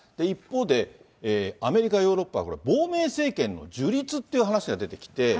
一方で、アメリカ、ヨーロッパはこれ、亡命政権の樹立っていう話が出てきて。